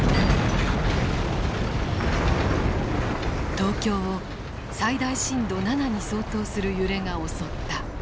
東京を最大震度７に相当する揺れが襲った。